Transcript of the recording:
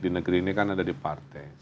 di negeri ini kan ada di partai